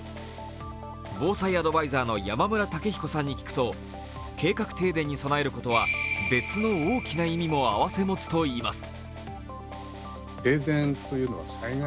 防災アドバイザーの山村武彦さんに聞くと計画停電に備えることは別の大きな意味も併せ持つといいます。